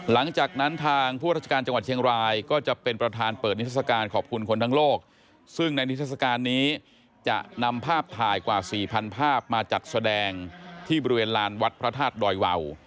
หลังจากนั้นทางผู้ราชการจังหวัดเชียงรายก็จะเป็นประธานเปิดนิทรศการขอบคุณคนทั้งโลกซึ่งในนิทัศกาลนี้จะนำภาพถ่ายกว่าสี่พันภาพมาจัดแสดงที่บริเวณลานวัดพระธาตุดอยวาว